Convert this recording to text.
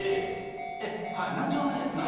え何丁目ですか？